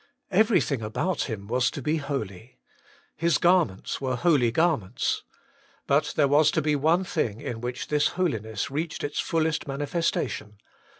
Everything about him was to be holy. His garments were holy gar ments. But there was to be one thing in which this holiness reached its fullest manifestation.